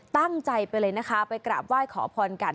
ตั้งใจไปเลยนะคะไปกราบไหว้ขอพรกัน